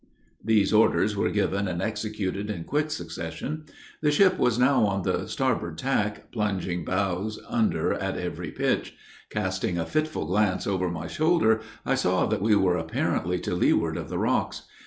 These orders were given and executed in quick succession. The ship was now on the starboard tack, plunging bows under at every pitch. Casting a fitful glance over my shoulder, I saw that we were apparently to leeward of the rocks.